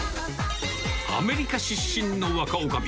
アメリカ出身の若おかみ。